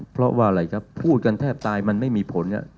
เพราะว่าพูดกันแทบตายมันไม่มีผล